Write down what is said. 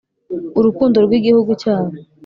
urukundo rw Igihugu cyabo